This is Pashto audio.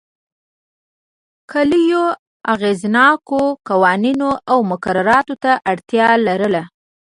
کلیو اغېزناکو قوانینو او مقرراتو ته اړتیا لرله